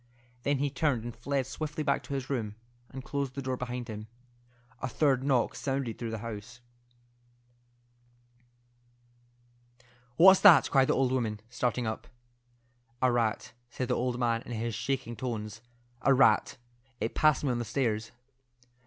Then he turned and fled swiftly back to his room, and closed the door behind him. A third knock sounded through the house. "What's that?" cried the old woman, starting up. "A rat," said the old man in shaking tones—"a rat. It passed me on the stairs."